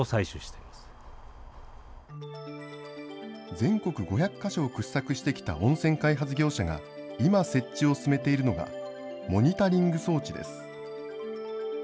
全国５００か所を掘削してきた温泉開発業者が、今設置を進めているのが、モニタリング装置です。